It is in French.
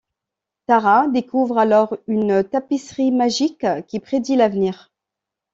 Tara découvre alors une tapisserie magique qui prédit l'avenir.